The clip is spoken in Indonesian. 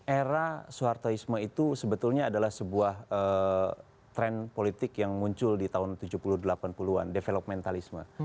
era soehartoisme itu sebetulnya adalah sebuah tren politik yang muncul di tahun tujuh puluh delapan puluh an developmentalisme